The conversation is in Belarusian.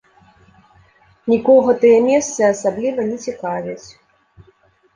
Нікога тыя месцы асабліва не цікавяць.